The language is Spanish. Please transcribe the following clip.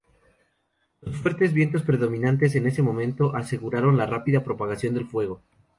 Los fuertes vientos predominantes en ese momento, aseguraron la rápida propagación del fuego.